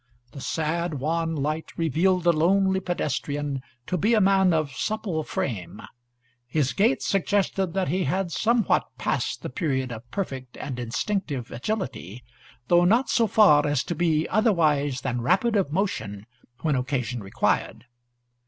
The sad, wan light revealed the lonely pedestrian to be a man of supple frame; his gait suggested that he had somewhat passed the period of perfect and instinctive agility, though not so far as to be otherwise than rapid of motion when occasion required.